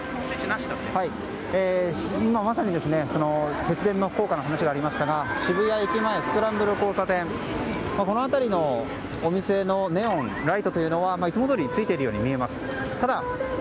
今まさに節電の効果の話がありましたが渋谷駅前、スクランブル交差点この辺りのお店のネオンライトというのはいつもどおりついているように見えます。